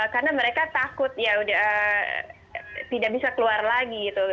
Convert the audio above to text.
karena mereka takut ya tidak bisa keluar lagi gitu